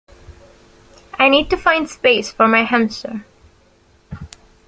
I need to find space for my hamster